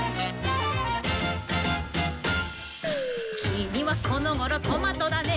「きみはこのごろトマトだね」